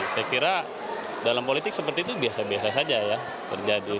saya kira dalam politik seperti itu biasa biasa saja ya terjadi